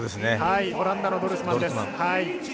オランダのドルスマンです。